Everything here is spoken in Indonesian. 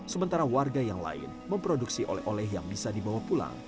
sementara warga yang lain memproduksi oleh oleh yang bisa dibawa pulang